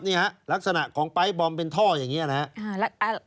นี่ฮะลักษณะของปลายบอมเป็นท่ออย่างนี้นะครับ